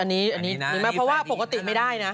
อันนี้ดีมากเพราะว่าปกติไม่ได้นะ